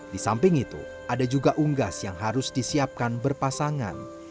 di samping itu ada juga unggas yang harus disiapkan berpasangan